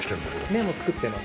目も作ってます。